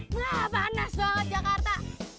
wah panas banget jakarta